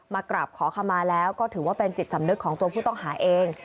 มากราบขอขมาแล้วก็ถือว่าเป็นจิตสำนึกของตัวผู้ต้องหาเอง